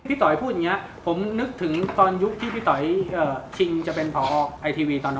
ต่อยพูดอย่างนี้ผมนึกถึงตอนยุคที่พี่ต๋อยชิงจะเป็นผอไอทีวีตอนนั้น